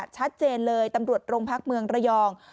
ชัดเจนเลยตำรวจโรงพักเมืองระยอง